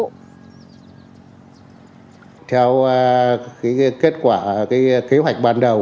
theo kế hoạch ban đầu